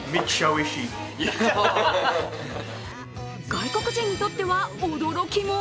外国人にとっては驚きも？